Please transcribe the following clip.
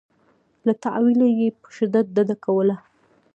له تأویله یې په شدت ډډه کوله.